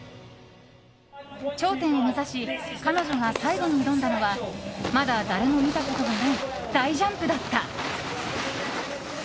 頂点を目指し彼女が最後に挑んだのはまだ誰も見たことがない大ジャンプだった。